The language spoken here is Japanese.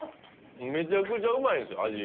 めちゃくちゃうまいんですよ味。